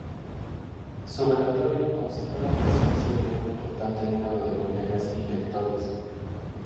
Su velatorio concitó la presencia de un importante número de colegas y lectores.